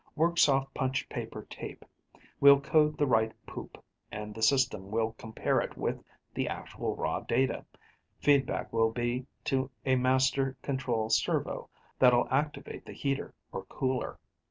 Works off punched paper tape. We'll code the right poop, and the system will compare it with the actual raw data. Feedback will be to a master control servo that'll activate the heater or cooler.